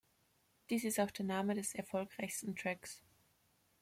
Dies ist auch der Name des erfolgreichsten Tracks.